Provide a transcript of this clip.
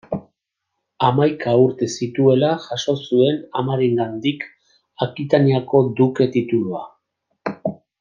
Hamaika urte zituela jaso zuen amarengandik Akitaniako duke titulua.